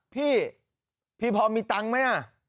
พี่พี่พอมีตังค์ไหม